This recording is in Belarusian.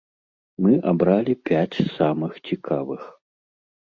Мы абралі пяць самых цікавых.